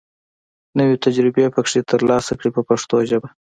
نوې تجربې پکې تر لاسه کړي په پښتو ژبه.